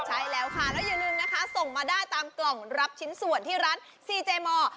ใช่แล้วค่ะแล้วอย่าลืมนะคะส่งมาได้ตามกล่องรับชิ้นส่วนที่ร้านซีเจมอร์